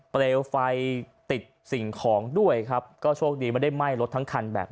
เปลวไฟติดสิ่งของด้วยครับก็โชคดีไม่ได้ไหม้รถทั้งคันแบบ